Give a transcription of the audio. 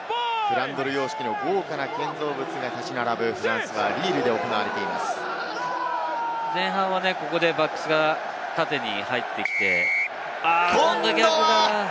フランドル様式の豪華な建造物が建ち並ぶフランス、リールで行わ前半はここでバックスが縦に入ってきて、あっと！今度は逆だ。